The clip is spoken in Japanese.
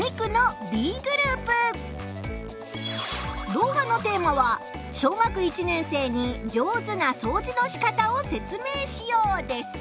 動画のテーマは「小学１年生に上手なそうじのしかたを説明しよう」です。